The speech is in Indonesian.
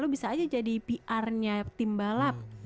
lo bisa aja jadi pr nya tim balap